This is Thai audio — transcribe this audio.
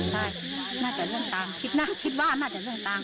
ใช่น่าจะเลื่อนตังค์คิดน่าคิดว่าน่าจะเลื่อนตังค์